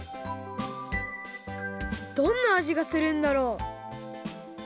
どんなあじがするんだろう？